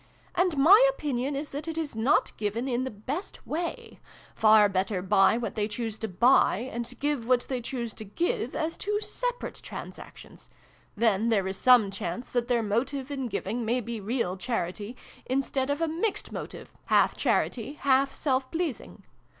And my opinion is that it is not given in the best way : far better buy what they choose to buy, and give what they choose to give, as two separate transactions : then there is some chance that their motive in giving may be real charity, instead of a mixed motive half charity, half self pleasing.